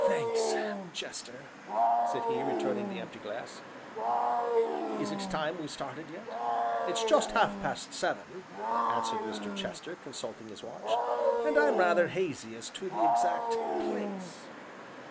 "Thanks, Chester," said he, returning the empty glass; "is it time we started yet?" "It's just half past seven," answered Mr. Chester, consulting his watch, "and I'm rather hazy as to the exact place."